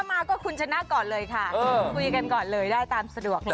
มาก็คุณชนะก่อนเลยค่ะคุยกันก่อนเลยได้ตามสะดวกเลย